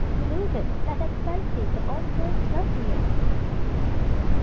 Deluded, let them fancy Their own girls loveliest!